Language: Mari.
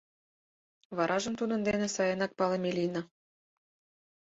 Варажым тудын дене сайынак палыме лийна.